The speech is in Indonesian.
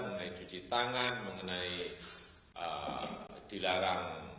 mengenai cuci tangan mengenai dilarang